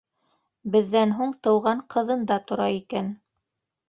Беҙҙән һуң тыуған ҡыҙында тора икән.